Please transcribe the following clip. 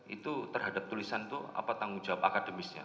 itu terhadap tulisan itu apa tanggung jawab akademisnya